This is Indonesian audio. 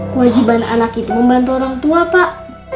kewajiban anak itu membantu orang tua pak